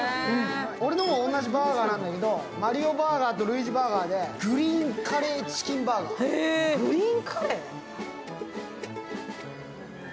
俺のも同じバーガーなんだけど、マリオバーガーとルイージバーガーで、グリーンカレー・チキンバーガー。